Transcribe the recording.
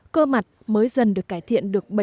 cơ mặt mới dần được cải thiện được bảy mươi